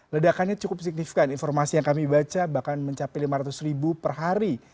ledakannya cukup signifikan informasi yang kami baca bahkan mencapai lima ratus ribu per hari